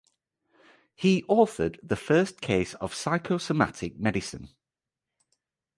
He authored the first casebook of psychosomatic medicine.